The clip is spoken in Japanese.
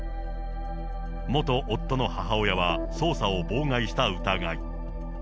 元夫の母親は捜査を妨害した疑い。